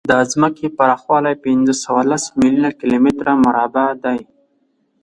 د ځمکې پراخوالی پینځهسوهلس میلیونه کیلومتره مربع دی.